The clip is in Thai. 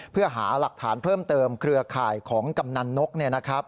เพื่อหาหลักฐานเพิ่มเติมเครือข่ายของกำนันนก